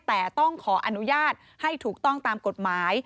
แต่ต้องขออนุญาตให้ถูกต้องตามกฎหมาย